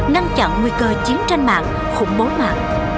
ngăn chặn nguy cơ chiến tranh mạng khủng bố mạng